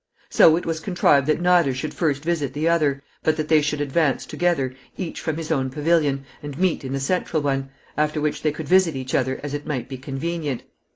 So it was contrived that neither should first visit the other, but that they should advance together, each from his own pavilion, and meet in the central one, after which they could visit each other as it might be convenient.